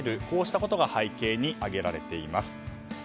こうしたことが背景に挙げられています。